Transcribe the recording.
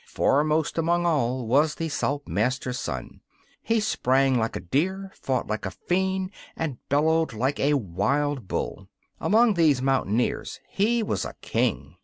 Foremost among all was the Saltmaster's son. He sprang like a deer, fought like a fiend, and bellowed like a wild bull. Among these mountaineers he was a king.